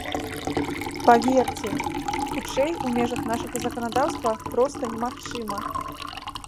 Паверце, хутчэй у межах нашага заканадаўства проста немагчыма.